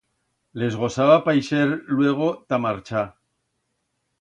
Les gosaba paixer luego ta marchar.